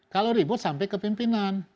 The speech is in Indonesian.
kalau ribut sampai ke pimpinan